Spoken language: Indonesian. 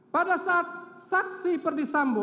pada saat saksi iperdisambo